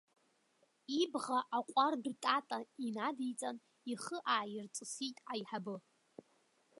Ибӷа аҟәардә-тата инадиҵан, ихы ааирҵысит аиҳабы.